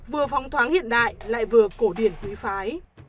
vừa phóng thoáng hiện đại lại vừa cổ điển quý phái